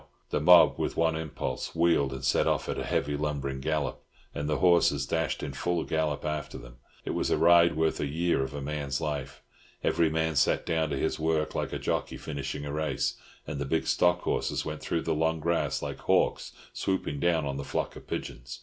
The mob, with one impulse, wheeled, and set off at a heavy lumbering gallop, and the horses dashed in full gallop after them. It was a ride worth a year of a man's life. Every man sat down to his work like a jockey finishing a race, and the big stock horses went through the long grass like hawks swooping down on a flock of pigeons.